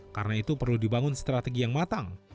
karena itu perlu dibangun strategi yang matang